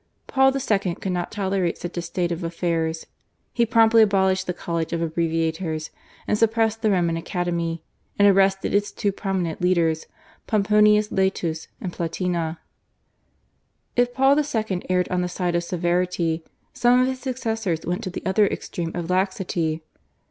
Paul II. could not tolerate such a state of affairs. He promptly abolished the College of Abbreviators, suppressed the Roman Academy, and arrested its two prominent leaders, Pomponius Laetus and Platina. If Paul II. erred on the side of severity some of his successors went to the other extreme of laxity.